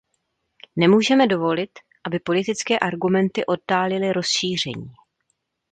Nemůžeme dovolit, aby politické argumenty oddálily rozšíření.